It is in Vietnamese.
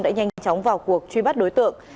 đã nhanh chóng vào cuộc truy bắt đối tượng